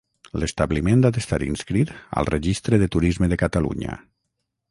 L'establiment ha d'estar inscrit al Registre de Turisme de Catalunya.